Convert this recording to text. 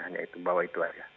hanya bawah itu